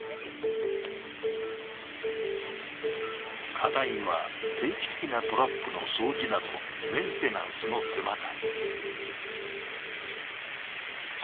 課題は、定期的なトラップの掃除などメンテナンスの手間だ。